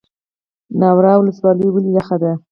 ناور ولسوالۍ ولې یخه ده؟